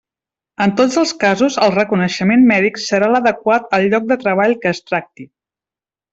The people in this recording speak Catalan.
En tots els casos el reconeixement mèdic serà l'adequat al lloc de treball que es tracti.